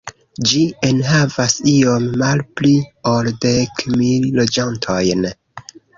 Ĝi enhavas iom malpli ol dek mil loĝantojn.